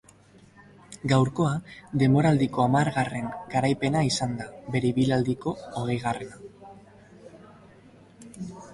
Gaurkoa denboraldiko hamargarren garaipena izan da, bere ibilaldiko hogeigarrena.